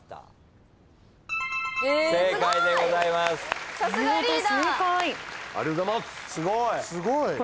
すごい！